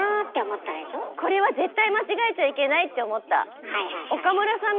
これは絶対間違えちゃいけないって思った。